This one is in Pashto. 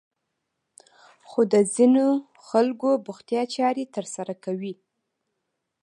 خو د ځينې خلکو بوختيا چارې ترسره کوي.